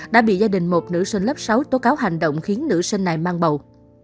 đã bị gia đình một nữ sinh lớp sáu tố cáo hành động khiến nữ sinh này mang bầu